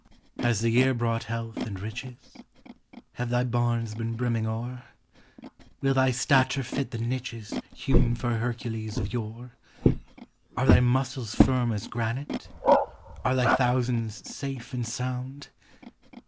Has the year brought health and riches? Have thy barns been brimming o'er? Will thy stature fit the niches Hewn for Hercules of yore? Are thy muscles firm as granite? Are thy thousands safe and sound?